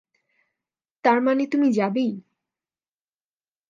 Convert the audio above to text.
তারমানে তুমি যাবেই?